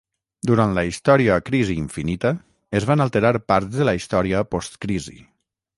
Durant la història "Crisi infinita" es van alterar parts de la història post-crisi.